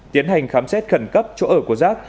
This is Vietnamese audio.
tiến hành khám xét khẩn cấp chỗ ở của giác